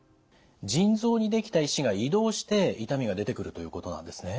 腎臓にできた石が移動して痛みが出てくるということなんですね。